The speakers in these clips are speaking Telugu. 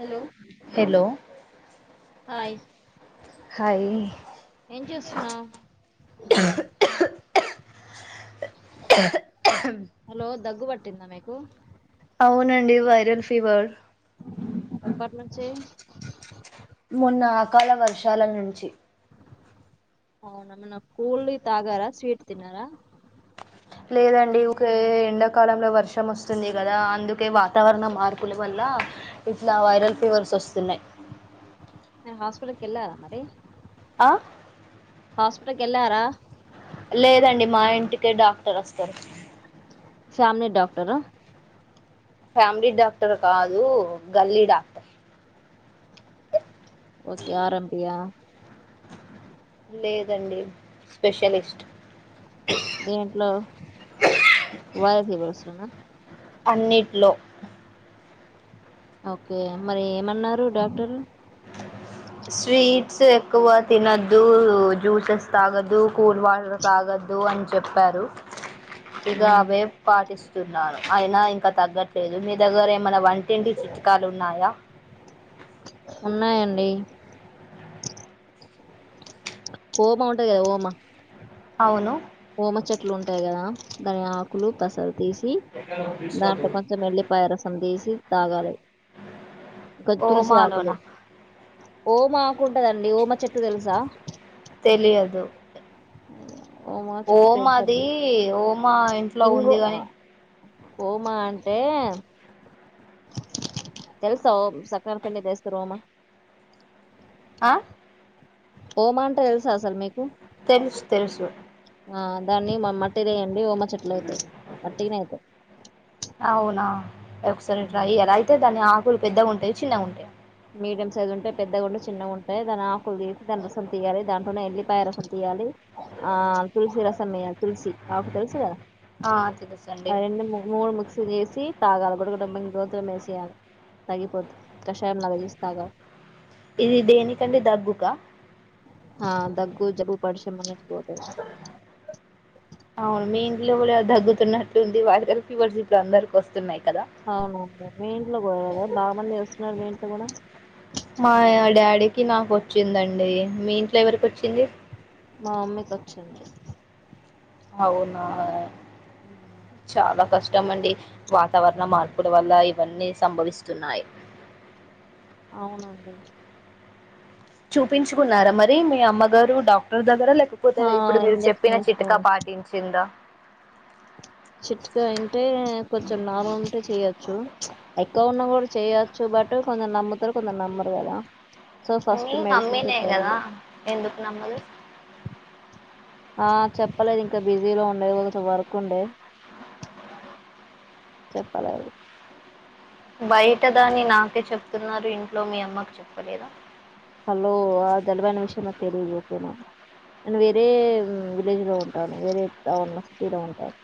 హలో హెలో హాయ్ ఏంచేస్తున్నావ్ తిన్న మేకు అవునండి వైరల్ ఫీవర్ ఎప్పటి నుంచి మొన్న ఆకాల వర్షాల నుంచి అవునామొన్న కూల్ ఈ తాగార స్వీట్ తిన్నార లేదండి ఊకె ఎండాకాలంలో వర్షం వస్తుంది గాద అందుకే వాతావరణ మార్పుల వల్ల ఆ ఇట్ల వైరల్ ఫీవర్స్ వస్తున్నాయ్ హాస్పిటల్కి ఎల్లార మరి అ హాస్పిటల్ కి వెళ్లారా లేదండి మా ఇంటికే డాక్టర్ వస్తారు ఫ్యామిలీ డాక్టర్ అహ్ ఫ్యామిలీ డాక్టర్ కాదు గల్లీ డాక్టర్ ఓకే ఆర్ఎంపీ ఆ లేదండి స్పెషలిస్ట్ దేంట్లో వార్గీవర్సల్నా అన్నిట్లో ఓకే మరి ఏమన్నారు డాక్టరు స్వీట్స్ ఎక్కువ తినొద్దు జ్యూసెస్ తాగొద్దు కూల్డ్ వాటర్ తాగొద్దు అని చెప్పారు ఇగా ఉమ్, అవ్వే పాటిస్తున్నాను అయినా ఇంకా తగ్గట్లేదు మీ దగ్గర ఏ మన వంటింటి చిట్కాలు ఉన్నాయ ఏ ఓమా ఉంటది గదా ఓమా అవును ఓమా చెట్లు ఉంటాయి గదా దాని ఆకులు తసలు తీసి సి దాంట్లో కొంచెం వెల్లిపాయ రసం తీసి తాగాలి ఇంకా తుల్సీ ఆకులు ఓమాలోనా ఓమా ఆకుంటదండి ఓమా చెట్టు తెలుసా ఓమా చెట్టు ఓమాది పెంచండి ఒమాఇంట్లో ఇంగు ఉంది ఆ, గాని ఓమా అంటే తెలుసా ఓసక్కలపిండి దేస్తారు ఓమా ఆ ఓమా అంటే తెల్సా అసలు మీకు తెలుసు తెలుసు ఆ దాన్ని మట్టి వేయండి ఓమా చెట్లు అయితయ్ వాట్టినే అయితయ్ అవునా ఒకసారి ట్రై చెయలి అయితే దాని ఆకులు పెద్దగా ఉంటాయ్ చిన్నగ ఉంటయ్ మీడియం సైజు ఉంటాయ్ పెద్దగావుండి చిన్నగా ఉంటాయ్ దాని ఆకులు తీసి దాని రసం తీయాలె దాంట్లోనే ఎల్లిపాయ రసం తీయాలి ఆ తులసి రసమేయ్యాలి తుల్సి ఆకు తెలుసు గాద ఆ తెలుసండి ఆ రెండు మూడు మిక్స్ చేసి తాగాలి గుడగుడ మింగి గోత్రం వేసెయలే తగిపోతయ్ కషాయం లాగా దేసి తాగాలి ఇది దేనికండి దగ్గుక హా దగ్గు జబ్బు పరిషం ఉన్నయ్ అవును మీ ఇంట్లో కూడ. తగ్గుతున్నట్టుంది వైరల్ ఫీవర్స్ ఇప్పుడు అందరికి వస్తున్నాయ్. అవునండి మీ ఇంట్లో కూడన [unintelligible] చేస్తూన్నారు మీ ఇంట్లో కూడా. మా డాడీకి నాకు వచ్చిందండి మీ ఇంట్లో ఎవరికి వచ్చింది. మా అమ్మీకి వచ్చింది అవునా చాలా కష్టం చమండి వాతావరణం మార్పుల వల్ల ఇవన్నీ సంభవిస్తున్నాయి అవునండి చూపించుకున్నారా మరి మీ అమ్మగారు డాక్టర్ దగ్గర. జ్వరం లేకపోతే ఆ ఇప్పుడు మీరు ఇంజక్షన్ చెప్పిన చిట్కా వేసుకోని పాటించిందా. చిట్కా అంటే. కొంచెం నార్మల్ ఉంటే చేయొచ్చు. ప్చ్ ఎక్కువ ఉన్నా కూడా చేయొచ్చు బట్ కొందరు నమ్ముతారు కొందరు నమ్మరు. కదా. సో మీ ఫస్ట్ మెడిసిన్ తో మమ్మినే ట్రై కదా చేయి ఎందుకు నమ్మదు. ఆహ్ చెప్పలేదు ఇంకా బిజీలో ఉండేది కొంచెం వర్క్ ఉండే. చెప్పలేదు. బయటదాని నాకే చెప్తున్నారు ఇంట్లో మీ అమ్మకు చెప్పలేర. హలో ఆ జలుబైనా విషయమ్ నాకు తెలిదు ఓకేనా. నేను వేరే విలేజ్ లో ఉంటాను వేరే టౌన్ లో సిటీలో ఉంటాను.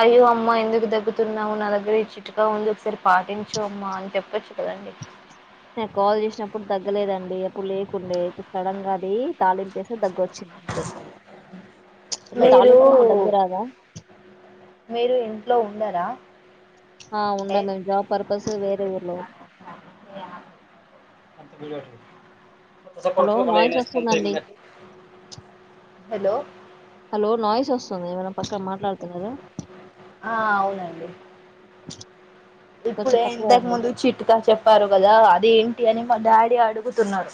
అయ్యో అమ్మ ఎందుకు దగ్గుతున్నావు నా దగ్గర ఈ చిట్కా ఉంది ఒకసరి. పాటించు అమ్మా అని చెప్పొచ్చు కదండి. లే అప్పుడు లేకుండే ఇప్పుడు సడన్గా అది. తాలీంపేస్తే దగ్గొచింది అంతే ఇట్లా మీరు తాలీంపేస్తే దగ్గురాదా. మీరు ఇంట్లో ఉండరా. ఆ ఉండ ఎయ్. మేము జాబ్ పర్పస్ వేరే ఊర్లో హలో సపోజ్ ఒక లైన్ నాయిస్ ఏసుకొని వస్తుందండి [unintelligible] హలో. హలో నాయిస్ వస్తుంది ఏమన్నా పక్కన మాట్. ఆహ్ అవునండి. కొంచెం ఇప్పుడే పక్కకు ఇంతకు రండి ముందు చిట్కా చెప్పారు కదా అది ఏంట్. చిట్కా అని మా డాడీ అడుగుతున్నారు.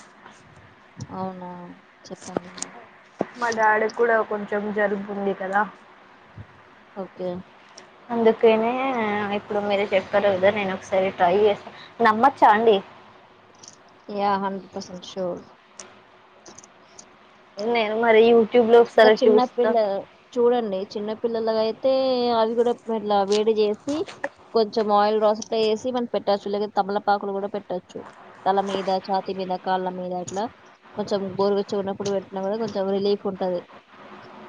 అవునా చెప్పండి. మా డాడీకి కూడా కొంచెం జలుబు ఉంది కదా. ఓకే. అందుకనే ఇప్పుడు మీరు చెప్పారు కదా నేను ఒకసారి ట్రై చేస్తాను నమ్మచ్చా అండి. Yeah hundred percent sure. నేను మరి. యూట్యూబ్ లో ఇంకా ఒకసారి చిన్న చూస్తా పిల్ల చూడండి. చిన్న పిల్లలుగా అయితే అవి కూడా ఇట్లా వేడి చేసి. కొంచెం ఆయిల్ రాసి ఇట్లా ఏసి మనం పెట్టొచ్చు. లేకపొతే తమలపాకులు కూడా పెట్టొచ్చు. తల మీద ఛాతి మీద. కాళ్ళ మీద అట్లా కొంచెం గోరు వెచ్చిగున్నపుడు పెట్న కూడా కొంచెం రిలీఫ్ ఉంటది.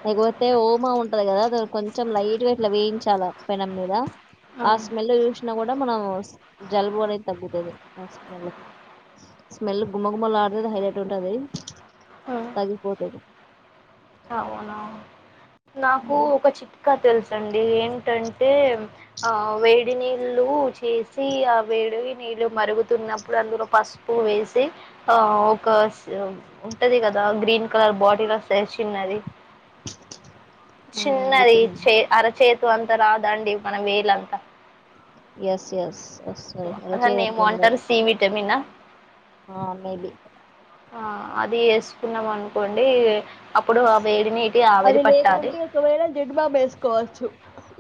లేకపోతే ఓమా ఉంటది కదా దాని కొంచెం లైట్ గ ఇట్లా వేయించాలా పెనం మీద. ఆ స్మెల్ చూసినా కూడా మనం జలుబు అనేది తగ్గుతది ఆ స్మెల్. స్మెల్ గుమ్మగుమ్మలడుతది హైలైట్ ఉంటది తగ్గిపోతది. అవునా నాకు ఒక చిట్కా. ఇంకా తెలుసండి ఏంటంటే ఆ వేడి నీళ్ళు చేసి ఆ వెడ్. వేడి నీళ్ళు మరుగుతున్నప్పుడు అందులో పసుపు వేసి ఆ ఒక సూ. ఉట్టది కదా గ్రీన్ కలర్ బాటిలోస్తది చిన్నది. విత్ చిన్నది ఇన్ చే అరచేతు అంతా రాదండి మన వేలంతా. ఎస్ ఎస్ ఎస్ అస్తది అరచేయి దాన్ని అంత ఏమో ఉండదు అంటారు సి విటమిన్ ఆ మేబి ఆ అది ఎసుకున్నాం అనుకోండి అప్పుడు ఆ వేడి నీటి అది ఆవిరి పట్టాలి లేకుంటే ఒకవేళ జండూ బామ్ ఎసుకోవచ్చు.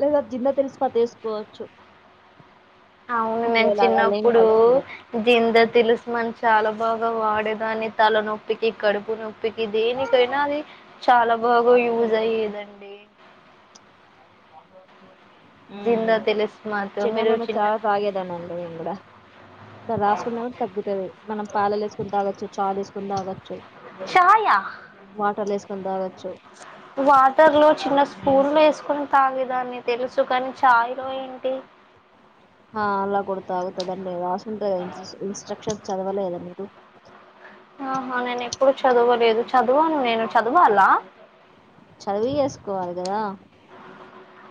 లేదా జిందా తిలస్మాత్ ఎసుకోవచ్చు. అవును నేను చిన్నప్పుడు పరిస్థితిలో. జిందా తిలస్మంచ్. చాలా బాగా వాడేదాన్ని తలనొప్పికి కడుపు నొప్ పికి దేనికైనా అది చాలా బాగా యూజ్ అయ్యేదండి జింద ఉమ్ తిలిస్మాత్ మీరు చిన్నప్పుడు మేము చిన్న చాయ్ తాగేదనండి మేము గూడా ట్ల రాసుకున్న కూడ తగ్గుతది మనం పాలల్ల ఎసుకొని తాగొచ్చు చాయ్ ల ఎసుకొని తాగొచ్చు ఛాయా వాటర్‌లో ఏసుకొని తాగొచ్చు. వాటర్ లో చిన్న స్పూన్లే స్ సుకొని తాగేదాన్ని తెలుసు కానీ చాయ్ లొ ఏంటి హ అలా కూడ తాగుతాదండి రశుంటది గద ఇంస్ట్ర ఇన్స్ట్రక్షన్స్ చదివాలేద మి రు ఆహా నేను ఎప్పుడు చదవలేదు చదువాను నేను చదవాలా చదువి చేసుకోవాలి గదా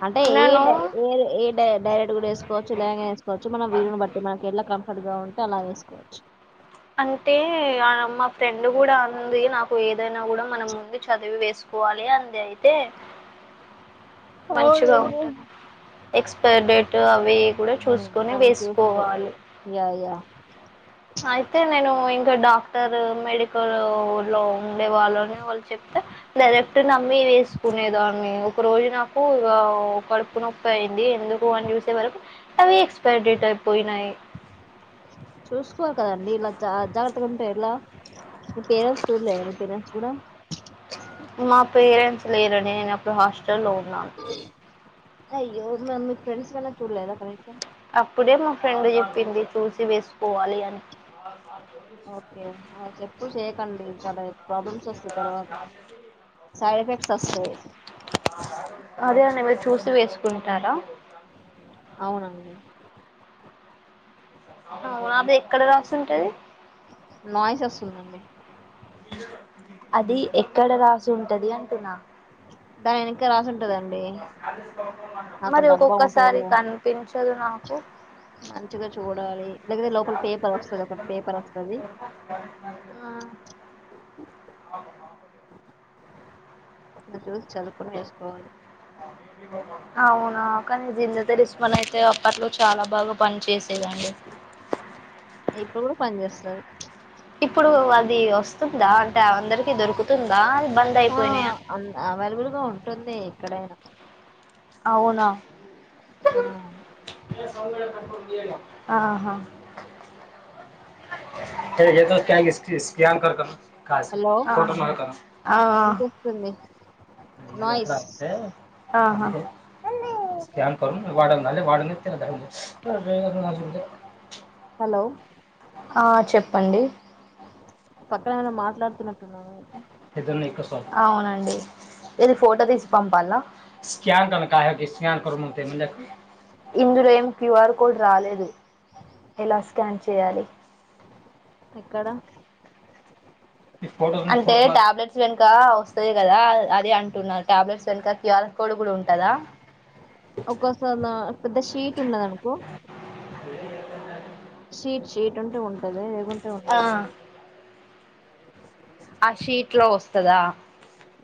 అంటే ఏ ఏ నేను డై ఎ ఎ ఎ డై డైరెక్ట్ గూడా ఎసుకోవచ్చు ఎలాగైన ఎసుకోవచ్చు మనం వీలుని బట్టి మనకి ఎల కం ఫర్ట్ గా ఉంటే అలా వేసుకోవచ్చు అంటే అ మా ఫ్రెండ్ గూడా అంది నాకు ఏదైనా గూడా మనం ముందు చదివి వేసు కోవాలే అంది అయితే మంచిగా అవునండి ఉంటద ఎక్స్పైర్ డేట్ అ వేయి కూడ ఉమ్, చూసుకొని ఆమెను చూసుకో వేసుకోవాలి యా యా అయితే నేను ఇంకా డాక్టర్ మెడికల్ లో ఉండే వాళ్ళని వాళ్ళు చెప్తే డైరెక్ట్ నమ్మి వేసుకునేదాన్ని ఒక రోజు నాకు ఇగా కడుపు నొప్పి అయింది ఎందుకు అని చూసే వరకు అవి ఎక్స్పైరి డేట్ అయిపోయినయి చూసుకోవలి కదండి ఇలా జ అజాగ్రత్తగా ఉంటే ఎలా మీ పేరెంట్స్ చూడలేదా మీ పేరెంట్స్ గూడా మా పేరెంట్స్ లేర నేను అప్పుడు హాస్టల్ లో ఉన్నాను అయ్యో మరి మీకు ఫ్రెండ్స్ కన్నా చూడలేదా కనీసం అప్పుడే మా ఫ్రెండ్ చెప్పింది చూసి వేసుకోవాలి అని ఓకే ఒకె ఎప్పుడు చేయకండి చాలా ప్రాబ్లమ్స్ ఒస్తయ్ తర్వాత సైడ్ ఎఫెక్ట్స్ అస్తయ్ అదే అండి మీరు చూసి వేసుకుంటారా అవునండి అవున అది ఎక్కడ రాసుంటది నాయిస్ వస్తుందండి అది ఎక్కడ రాస్ సుంటది అంటున్న దాని వెనక రాసుంటదండి మరి ఒక్కొక్కసారి కనిపించదు నాకు మంచిగ చూడాలి లేకతే లోపల పేపర్ వస్తది ఒక పేపర్ వస్తది చూసి చదువుకొని వేసుకోవాలి అవునా కనీ జింద తిలస్మాన్ అయితే అప్పట్లో చాలా బాగా పని చేసి ఇప్పుడు గూడ పని చేస్తది ఇప్పుడు అది వస్తుందా అంటే అ అందరికీ దొరుకుతుందా బంద్ ఆహ్ అయిపోయినాయా అన్ అవైలబుల్ గా ఉంటుంది ఎక్కడైనా అవునా ఆ ఆహా [unintelligible] అ హలో వినిపిస్తుంది నాయిస్ ఆ అహ స్క్యాన్ కడు [unintelligible] హలో ఆ చెప్పండి మాట్లాడ్తున్నట్టున్నావైతే ఇద్దన్న ఎక్కస అవునండి ఏది ఫోటో తీసి పంపాల్న [unintelligible] ఇందులో ఏం క్యూ ఆర్ కోడ్ రాలేదు. ఎలా స్కాన్ చేయాలి. ఎక్కడ అంటే టాబ్లెట్స్ వెన్క వస్తది కదా. అది అంటున్నా టాబ్లెట్స్ వెనుక క్యూఆర్ కొడ్కుడుంటదా ఒక్కొక దన్ పెద్ద షీట్ ఉన్నదనుకో షీట్ షీట్ ఉంటే ఉంటది లేకుంటే ఆ ఉండది. ఆ షీట్ లో ఒస్తదా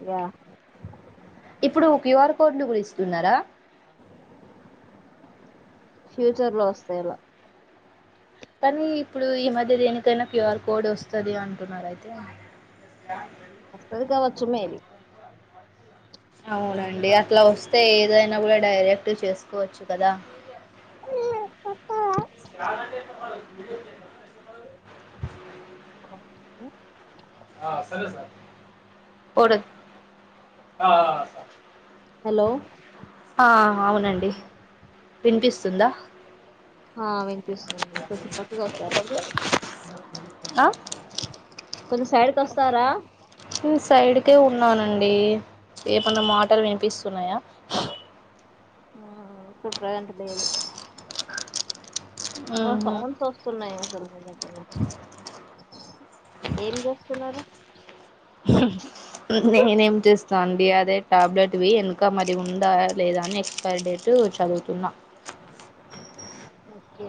యా ఇప్పుడు క్యూఆర్ కోడ్లు గుడ ఇస్తున్నారా ఫ్యూచర్ లో వస్తాయ్ అలా కానీ ఇప్పుడు ఈ మధ్య దేనికైనా క్యూఆర్ కోడ్ ఒస్తది అంటున్నారైతే. వస్తాది కావచ్చు మేబి అవునండి అట్ల వస్తే ఏదైనా గూడా డైరెక్ట్ చేస్కోవచ్చు కదా [unintelligible] ఉ అ సరే సార్ అ అ సార్ హలో అ అ అవునండి విన్పిస్తుందా ఆ విన్పిస్తుంది కొద్దిగ్ పక్కకోస్తార మీరు ఆ కొంచ్ సైడ్ కి వస్తారా నేన్ సైడ్కే ఉన్నానండి ఏమన్నా మాటల్ విన్పిస్తున్నాయా అ ఇప్పడ్ ప్రెసెంట్ లేదు అ ఉహు సౌండ్స్ వస్తున్నాయ్ అసల్ మీద ఏం జేస్తున్నారు ఉ నేనేం చేస్తా అండి అదే టాబ్లెట్వి ఎన్క మరి ఉందా లేదా అని ఎక్స్పైరీ డేటు చదువుతున్నా ఓకే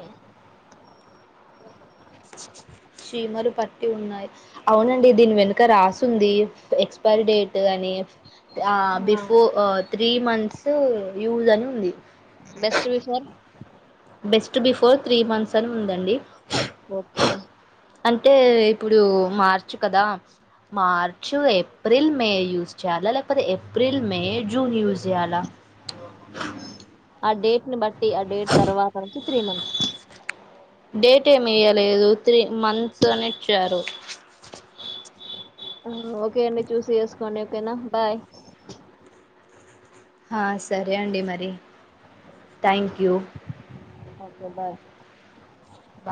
చీమలు పట్టి ఉన్నాయ్. అవునండి దీన్ వెన్క రాసుంది. ఎక్స్పైరీ డేట్ అని ని ఆ బిఫోర్ త్రీ మంత్సు యూస్ అన్ ఉంది. Best before best before three months అన్ ఉందండి. ఓకే అంటే ఇప్పుడు మార్చ్ కదా మార్చ్ ఏప్రిల్ మే యూస్ చేయాలా లేకపోతే ఏప్రిల్ మే జూన్ యూస్ జేయాలా ఆ డేట్ని బట్టి ఆ డేట్ తర్వాత నుంచి త్రీ మంత్స్ డేట్ ఏమి ఎయ్యలేదు త్రీ మంత్స్ అని ఇచ్చారు. అ ఓకే అండి చూసి వేసుకోండి ఓకేనా బాయ్. ఆ సరే అండి మరి థ్యాంక్యూ ఓకే బాయ్ బా